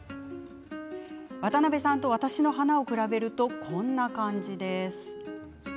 渡辺さんと私の花を比べるとこんな感じ。